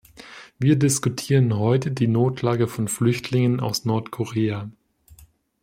Wir diskutieren heute die Notlage von Flüchtlingen aus Nordkorea.